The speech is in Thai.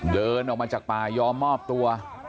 เดินออกมาจากป่ายอมมอบตัว